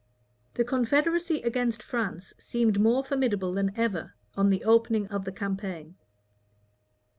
The confederacy against France seemed more formidable than ever, on the opening of the campaign.